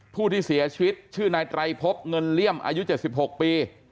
ผู้ที่เสียชีวิตชื่อนายไตรพบเงินเลี่ยมอายุ๗๖ปี